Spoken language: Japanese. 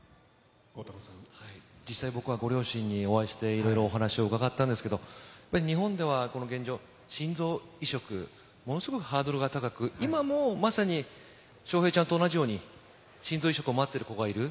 実際、僕はご両親にお会いして、いろいろお話を伺ったんですけれど、日本では現状、心臓移植、ものすごくハードルが高くて、今も、まさに翔平ちゃんと同じように心臓移植を待っている子がいる。